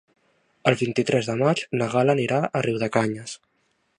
El vint-i-tres de maig na Gal·la anirà a Riudecanyes.